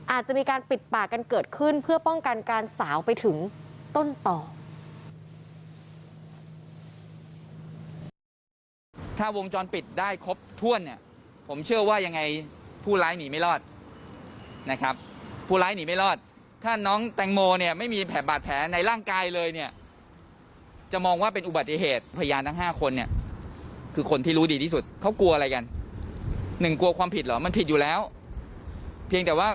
อาจจะมีการปิดปากกันเกิดขึ้นเพื่อป้องกันการสาวไปถึงต้นต่อ